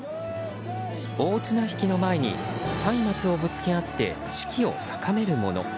大綱引きの前に松明をぶつけ合って士気を高めるもの。